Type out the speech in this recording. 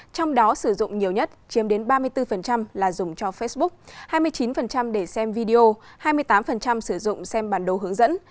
trong đó sử dụng nhiều nhất chiếm đến ba mươi bốn là dùng cho facebook hai mươi chín để xem video hai mươi tám sử dụng xem bản đồ hướng dẫn